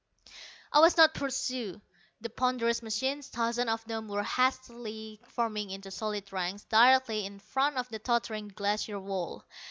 I was not pursued. The ponderous machines, thousands of them, were hastily forming into solid ranks directly in front of the tottering glacier wall.